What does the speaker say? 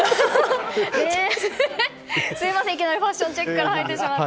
すみません、いきなりファッションチェックから入ってしまって。